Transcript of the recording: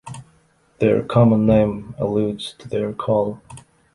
Their common name alludes to their call.